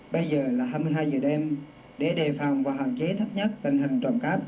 bây giờ là hai mươi hai giờ đêm để đề phòng và hạn chế thấp nhất tình hình trồng cáp